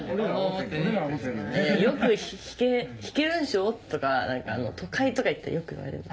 よく「弾けるんでしょ？」とか都会とか行ったらよく言われる。